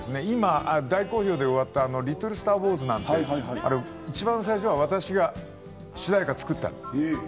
今大好評で終わったリトルスターウォーズなんて一番最初は私が主題歌、作ったんです。